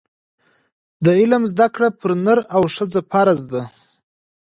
د علم زده کړه پر نر او ښځه فرض ده.